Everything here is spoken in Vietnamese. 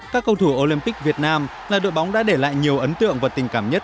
các cầu thủ olympic việt nam là đội bóng đã để lại nhiều ấn tượng và tình cảm nhất